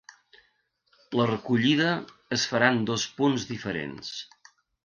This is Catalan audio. La recollida es farà en dos punts diferents.